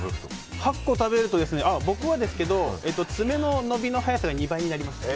８個食べると、僕はですけど爪の伸びの早さが２倍になりました。